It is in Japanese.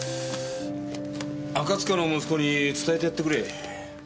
赤塚の息子に伝えてやってくれ。